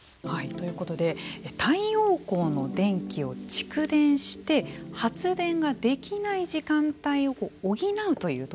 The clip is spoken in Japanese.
ということで太陽光の電気を蓄電して発電ができない時間帯を補うという取り組み。